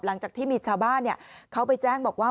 หลังจากที่มีชาวบ้านเขาไปแจ้งบอกว่า